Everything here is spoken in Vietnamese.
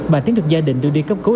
bà tiến được gia đình đưa đi cấp cứu